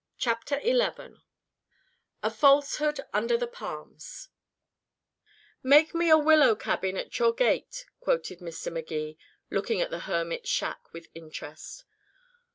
CHAPTER XI A FALSEHOOD UNDER THE PALMS "Make me a willow cabin at your gate," quoted Mr. Magee, looking at the hermit's shack with interest.